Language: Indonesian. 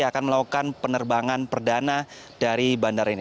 akan melakukan penerbangan perdana dari bandara ini